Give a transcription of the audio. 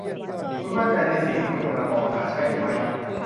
คุณมั่นใจในสิ่งที่คุณกำลังมองหาใช่หรือไม่